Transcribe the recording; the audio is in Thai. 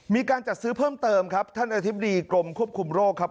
มีการจัดซื้อเพิ่มเติมครับท่านอธิบดีกรมควบคุมโรคครับ